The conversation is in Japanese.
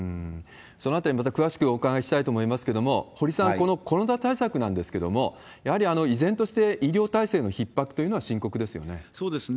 そのあたり、また詳しくお伺いしたいと思いますけれども、堀さん、このコロナ対策なんですけれども、やはり依然として医療体制のひっ迫というのは深刻ですよね。